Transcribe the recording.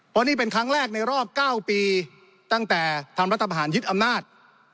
เพราะนี่เป็นครั้งแรกในรอบ๙ปีตั้งแต่ทำรัฐประหารยึดอำนาจ